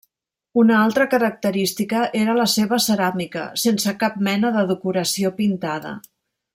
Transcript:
Una altra característica era la seva ceràmica sense cap mena de decoració pintada.